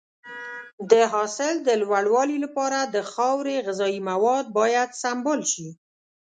د حاصل د لوړوالي لپاره د خاورې غذایي مواد باید سمبال شي.